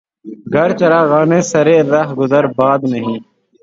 گر چراغانِ سرِ رہ گزرِ باد نہیں